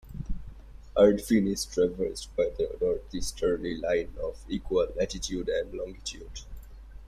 Artvin is traversed by the northeasterly line of equal latitude and longitude.